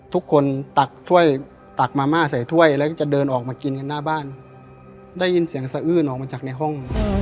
ตักถ้วยตักมาม่าใส่ถ้วยแล้วก็จะเดินออกมากินกันหน้าบ้านได้ยินเสียงสะอื้นออกมาจากในห้อง